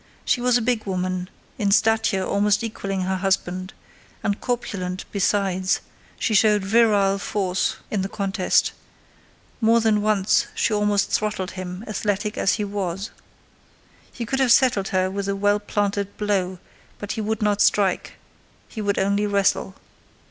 She was a big woman, in stature almost equalling her husband, and corpulent besides: she showed virile force in the contest—more than once she almost throttled him, athletic as he was. He could have settled her with a well planted blow; but he would not strike: he would only wrestle.